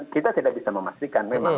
kita tidak bisa memastikan memang